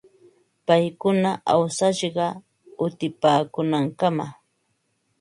Paykuna awsashqa utipaakuunankamam.